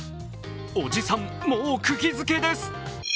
おじさん、もうクギづけです。